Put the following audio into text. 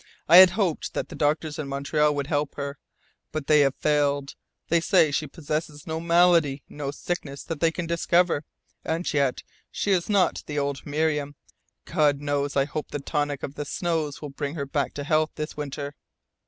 I had hoped that the doctors in Montreal would help her. But they have failed. They say she possesses no malady, no sickness that they can discover. And yet she is not the old Miriam. God knows I hope the tonic of the snows will bring her back to health this winter!"